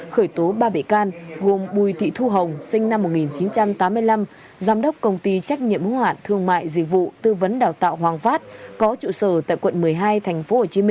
khởi tố ba bị can gồm bùi thị thu hồng sinh năm một nghìn chín trăm tám mươi năm giám đốc công ty trách nhiệm hữu hạn thương mại dịch vụ tư vấn đào tạo hoàng phát có trụ sở tại quận một mươi hai tp hcm